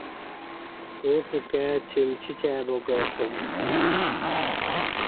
اݩڅ کائ چِمچچ آئی با کہ اسیوم۔